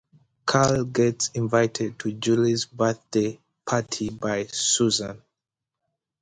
Karl gets invited to Julie's birthday party by Susan.